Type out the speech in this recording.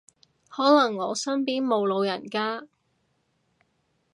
可能我身邊冇老人家